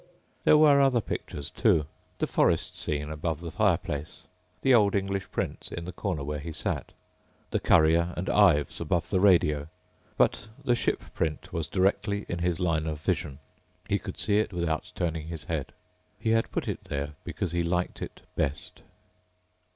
There were other pictures, too. The forest scene above the fireplace, the old English prints in the corner where he sat, the Currier and Ives above the radio. But the ship print was directly in his line of vision. He could see it without turning his head. He had put it there because he liked it best.